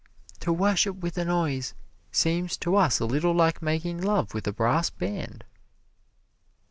To worship with a noise seems to us a little like making love with a brass band.